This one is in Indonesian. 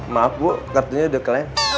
maaf bu kartunya udah keleng